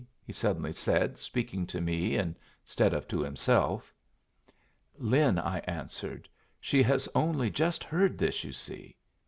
he suddenly said, speaking to me instead of to himself. "Lin," I answered, "she has only just heard this, you see.